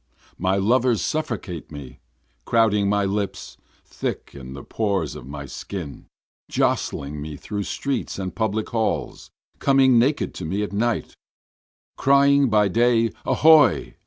My lovers suffocate me, Crowding my lips, thick in the pores of my skin, Jostling me through streets and public halls, coming naked to me at night, Crying by day, Ahoy!